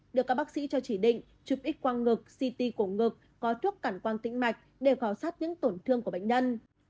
được các bác sĩ cho chỉ định chụp x quang ngực ct cổ ngực có thuốc cản quan tĩnh mạch để khảo sát những tổn thương của bệnh nhân